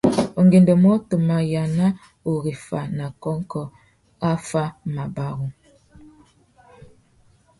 Ungôndumô, tu mà yāna ureffa nà kônkô affámabarú.